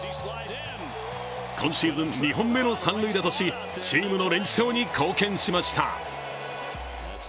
今シーズン２本目の三塁打としチームの連勝に貢献しました。